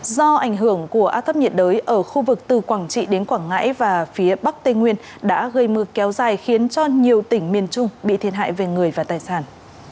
do ảnh hưởng của áp thấp nhiệt đới ở khu vực từ quảng trị đến quảng ngãi và phía bắc tây nguyên đã gây mưa kéo dài khiến cho nhiều tỉnh miền trung bị thiệt hại về người và tài sản